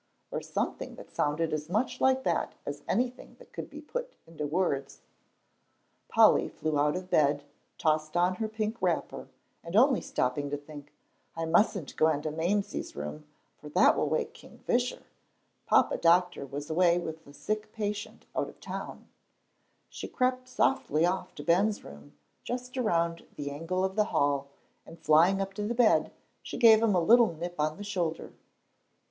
_ or something that sounded as much like that as anything that could be put into words. Polly flew out of bed, tossed on her pink wrapper, and only stopping to think, "I mustn't go into Mamsie's room, for that will wake King Fisher," Papa Doctor was away with a sick patient out of town, she crept softly off to Ben's room, just around the angle of the hall, and, flying up to the bed, she gave him a little nip on the shoulder.